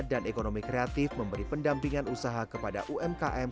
dan ekonomi kreatif memberi pendampingan usaha kepada umkm